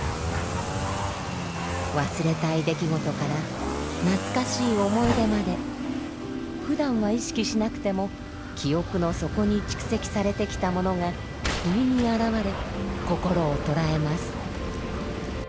忘れたい出来事から懐かしい思い出までふだんは意識しなくても記憶の底に蓄積されてきたものがふいに現れ心をとらえます。